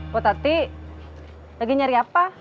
potati lagi nyari apa